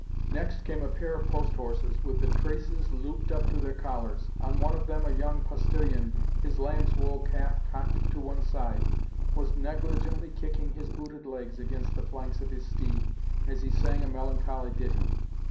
Next came a pair of post horses, with the traces looped up to their collars. On one of them a young postillion—his lamb's wool cap cocked to one side—was negligently kicking his booted legs against the flanks of his steed as he sang a melancholy ditty.